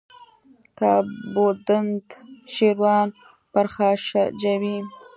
که بودند شیران پرخاشجوی